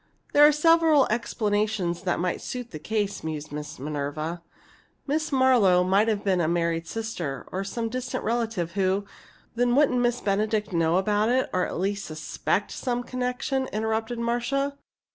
"There are several explanations that might suit such a case," mused Miss Minerva. "Mrs. Marlowe might have been a married sister, or some more distant relative, who " "Then wouldn't Miss Benedict know about it or at least suspect some such connection?" interrupted Marcia.